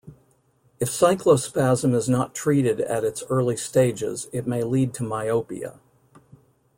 If cyclospasm is not treated at its early stages, it may lead to myopia.